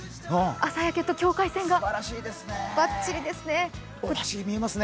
朝焼けと境界線がばっちりですね。